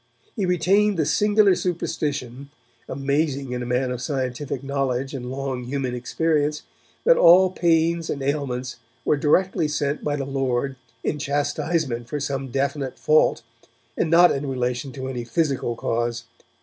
He retained the singular superstition, amazing in a man of scientific knowledge and long human experience, that all pains and ailments were directly sent by the Lord in chastisement for some definite fault, and not in relation to any physical cause.